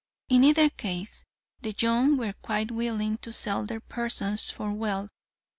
In either case, the young were quite willing to sell their persons for wealth.